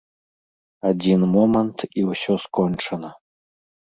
Адзін момант, і ўсё скончана.